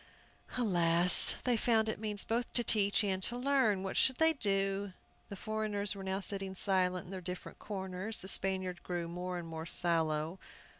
Alas, they found it means both to teach and to learn! What should they do? The foreigners were now sitting silent in their different corners. The Spaniard grew more and more sallow.